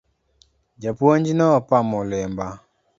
Ja puonj no pamo lemba.